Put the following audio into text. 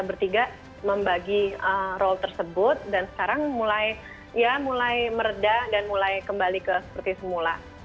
bertiga membagi role tersebut dan sekarang mulai meredah dan mulai kembali ke seperti semula